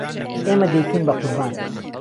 ئێمه دهیکهین به قوربان